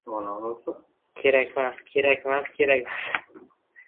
— Kerakmas! Kerakmas! Kerakmas!